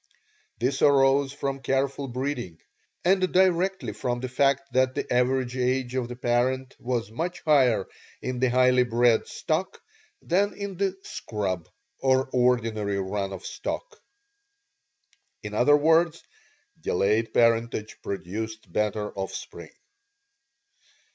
This arose from careful breeding, and directly from the fact that the average age of the parent was much higher in the highly bred stock than in the "scrub" or ordinary run of stock. In other words, DELAYED PARENTAGE PRODUCED BETTER OFFSPRING.